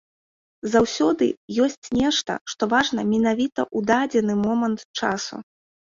Заўсёды ёсць нешта, што важна менавіта ў дадзены момант часу.